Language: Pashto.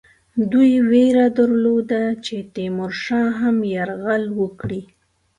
دوی وېره درلوده چې تیمورشاه هم یرغل وکړي.